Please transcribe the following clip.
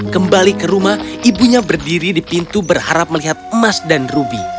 kembali ke rumah ibunya berdiri di pintu berharap melihat emas dan rubi